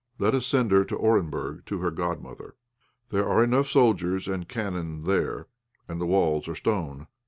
Let us send her to Orenburg to her godmother. There are enough soldiers and cannons there, and the walls are stone.